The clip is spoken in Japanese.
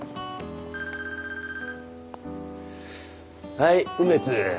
はい梅津。